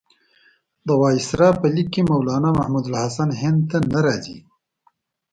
د وایسرا په لیک کې مولنا محمودالحسن هند ته نه راځي.